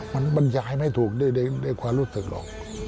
มันย้ายไม่ถูกในความรู้สึกหรอก